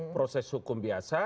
proses hukum biasa